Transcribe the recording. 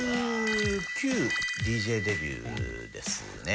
１９ＤＪデビューですね。